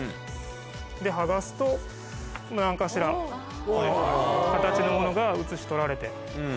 で剥がすと何かしらの形のものが写し取られて。